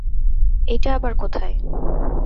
এইটা আবার কোথায়?